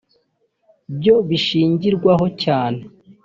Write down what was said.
byo bishingirwaho cyane